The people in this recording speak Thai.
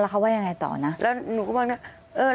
แล้วเขาว่ายังไงต่อนะแล้วหนูก็บอกนี่